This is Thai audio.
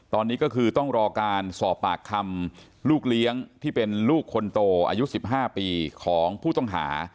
ตอนนี้ก็คือต้องรอการสอบปากคำลูกเลี้ยงที่เป็นลูกคนโตอายุ๑๕ปีของผู้ต้องหา